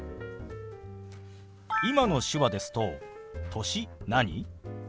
今の手話ですと「歳何？」